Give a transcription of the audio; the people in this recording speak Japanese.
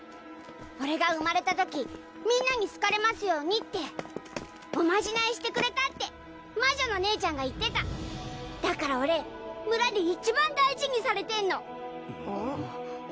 俺が生まれたときみんなに好かれますようにっておまじないしてくれたって魔女の姉ちゃんが言ってただから俺村で一番大事にされてんのあっ